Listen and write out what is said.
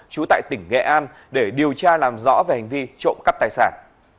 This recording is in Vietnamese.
chú tại tỉnh nghệ an để điều tra làm rõ về hành vi trộm cắt tài sản